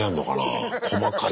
細かい。